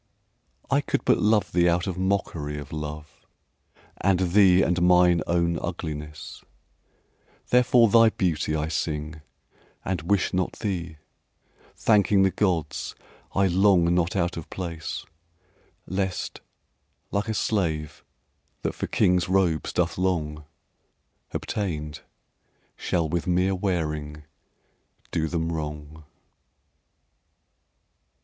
I could but love thee out of mockery Of love and thee and mine own ugliness; Therefore thy beauty I sing and wish not thee, Thanking the Gods I long not out of place, Lest, like a slave that for kings' robes doth long, Obtained, shall with mere wearing do them wrong.